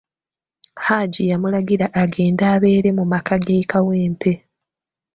Hajji yamulagira agende abeere mu maka g'e Kawempe.